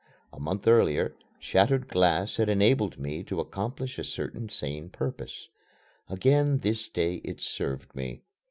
A month earlier, shattered glass had enabled me to accomplish a certain sane purpose. Again this day it served me.